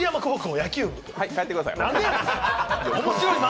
はい、帰ってください。